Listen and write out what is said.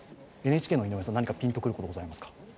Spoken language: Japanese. ＮＨＫの井上さん何かピンと来ることございますか？